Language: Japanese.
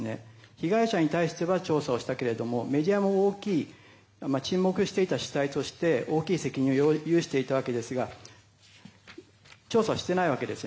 被害者に対しては調査をしたけれどもメディアも大きい沈黙していた責任として大きい責任を有していたわけですが調査してないわけです。